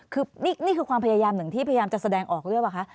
คือนี่คือความพยายามหนึ่งที่พยายามจะแสดงออกหรือเปล่าคะ